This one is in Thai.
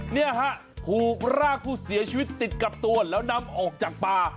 เนี่ยฮะถูกร่างผู้เสียชีวิตติดกับตัวแล้วนำออกจากป่า